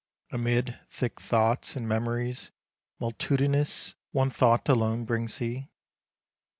Amid thick thoughts and memories multitudinous One thought alone brings he.